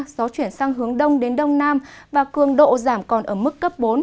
gió chuyển sang hướng đông đến đông nam và cường độ giảm còn ở mức cấp bốn